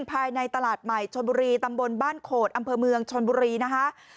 ภายในตลาดใหม่ชนบุรีตำบลบ้านโขดอำเภอเมืองชนบุรีนะคะ